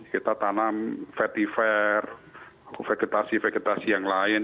kita tanam vetiver vegetasi vegetasi yang lain